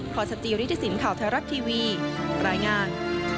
ขอสัจยุทธิสินข่าวไทยรัฐทีวีปรายงาน